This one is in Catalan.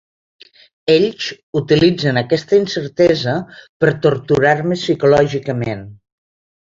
Ells utilitzen aquesta incertesa per torturar-me psicològicament.